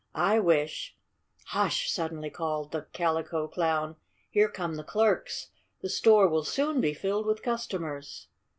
I wish " "Hush!" suddenly called the Calico Clown. "Here come the clerks. The store will soon be filled with customers."